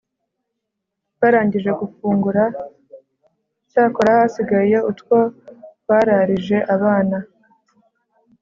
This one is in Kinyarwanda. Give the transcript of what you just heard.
barangije gufungura, cyakora hasigaye utwo bararije abana.